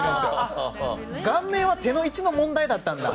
顔面は手の位置の問題だったんだ。